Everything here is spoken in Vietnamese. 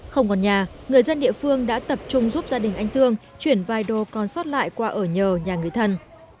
không còn nhà người dân địa phương đã tập trung giúp gia đình anh tương chuyển vài đô con sót lại qua ở nhờ nhà người thân